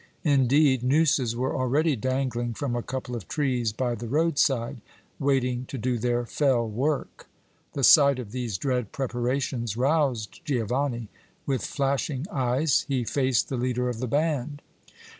Indeed, nooses were already dangling from a couple of trees by the roadside, waiting to do their fell work. The sight of these dread preparations roused Giovanni. With flashing eyes, he faced the leader of the band.